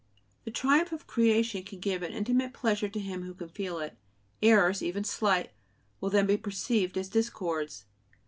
The triumph of creation can give an intimate pleasure to him who can "feel it"; errors, even slight, will then be perceived as discords.